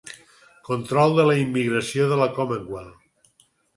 Control de la immigració de la Commonwealth.